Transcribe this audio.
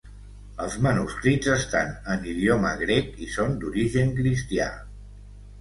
Els manuscrits estan en idioma grec i són d'origen cristià.